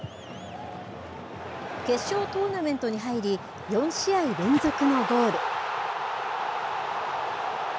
決勝トーナメントに入り、４試合連続のゴール。